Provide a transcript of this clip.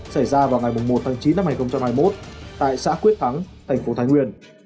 xảy ra vào ngày một tháng chín năm hai nghìn hai mươi một tại xã quyết thắng thành phố thái nguyên